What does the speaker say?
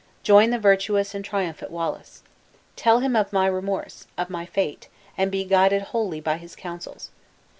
Join the virtuous and triumphant Wallace. Tell him of my remorse, of my fate, and be guided wholly by his counsels.